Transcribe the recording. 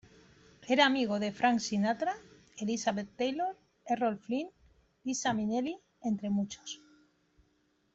Era amigo de Frank Sinatra, Elizabeth Taylor, Errol Flynn, Liza Minnelli, entre muchos.